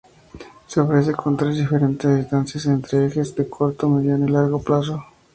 Se ofrece con tres diferentes distancias entre ejes, de corto, mediano y largo plazo.